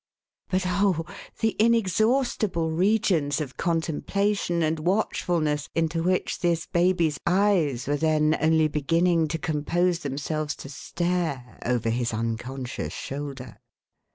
But oh ! the inexhaustible regions of contemplation and watch fulness into which this baby^s eyes were then only beginning to compose themselves to stare, over his unconscious shoulder